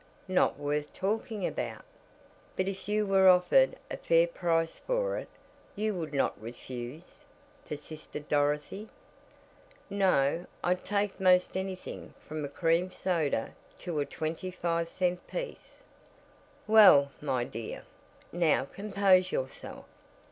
"Not worth talking about." "But if you were offered a fair price for it you would not refuse?" persisted Dorothy. "No, I'd take most anything from a cream soda to a twenty five cent piece." "Well, my dear, now compose yourself.